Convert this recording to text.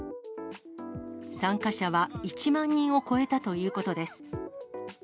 参加者は１万人を超えたということです。